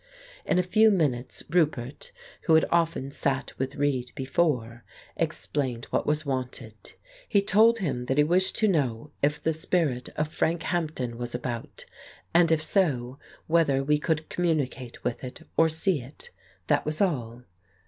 In a few minutes Roupert, who had often sat with Reid before, explained what was wanted. He told him that we wished to know if the spirit of Frank Hampden was about, and, if so, whether we could communicate with it, or see it. That was all.